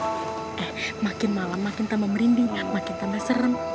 eh makin malem makin tambah merinding makin tambah serem